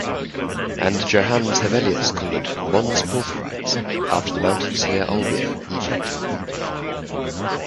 And Johannes Hevelius called it "Mons Porphyrites" after the mountains near Olbia, Egypt.